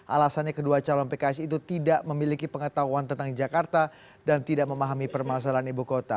alasannya kedua calon pks itu tidak memiliki pengetahuan tentang jakarta dan tidak memahami permasalahan ibu kota